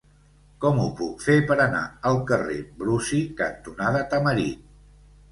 Com ho puc fer per anar al carrer Brusi cantonada Tamarit?